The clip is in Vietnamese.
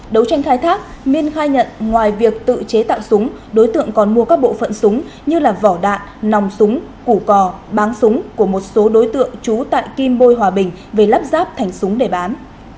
đấu tranh khai thác miên khai nhận ngoài việc tự chế tạo súng đối tượng còn mua các bộ phận súng như vỏ đạn nòng súng củ cò bán súng của một số đối tượng trú tại kim bôi hòa bình về lắp ráp thành súng để bán